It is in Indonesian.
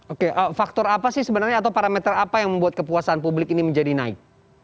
oke faktor apa sih sebenarnya atau parameter apa yang membuat kepuasan publik ini menjadi naik